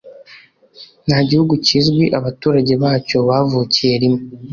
nta gihugu kizwi abaturage bacyo bavukiye rimwe,